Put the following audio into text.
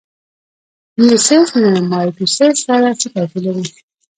میوسیس له مایټوسیس سره څه توپیر لري؟